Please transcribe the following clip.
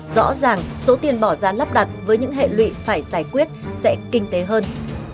rõ ràng số tiền bỏ ra lắp đặt với những hệ lụy phải giải quyết sẽ kinh tế hơn